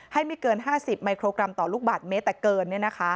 ให้มีเกิน๕๐ไมโครกรัมต่อลูกบัตรเมตรเกิน